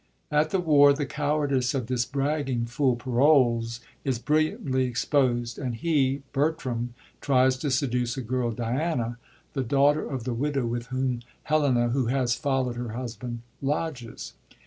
At the war the cowardice of this bragging fool ParoUes is brilliantly exposed, and he, Bertram, tries to seduce a girl, Diana, the daughter of the widow with whom Helena, who has foUowd her husband, lodges.